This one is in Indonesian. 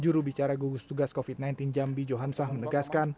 jurubicara gugus tugas covid sembilan belas jambi johansah menegaskan